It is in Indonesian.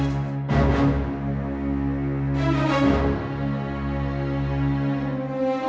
sumpah mati kau urusak jiwaku saat ini